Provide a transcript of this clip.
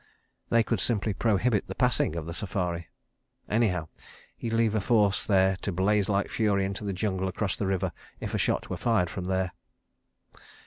They could simply prohibit the passing of the safari. ... Anyhow, he'd leave a force there to blaze like fury into the jungle across the river if a shot were fired from there.